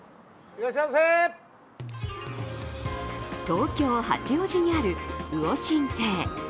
東京・八王子にある魚心亭。